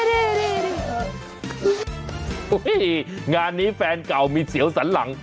นี่งานนี้แฟนเก่ามีเสียวสันหลัง